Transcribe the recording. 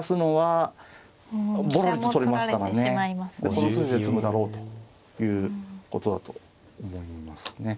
この筋で詰むだろうということだと思いますね。